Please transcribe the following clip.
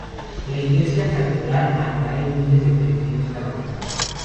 La iglesia catedral atrae a miles de peregrinos cada mes.